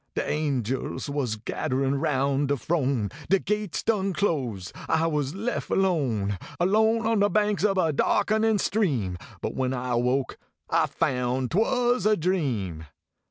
De angels was gedderin roun de frone, De gates done closed, I was lef alone, Alone on de banks ob a darkenin stream, But when I awoke I foun twas a dream.